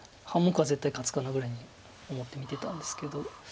半目は絶対勝つかなぐらいに思って見てたんですけど。